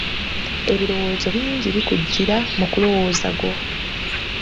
Ebirowoozo bingi bikujjira mu kulowooza gwo.